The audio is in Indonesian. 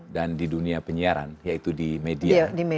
dan di dunia penyiaran yaitu di media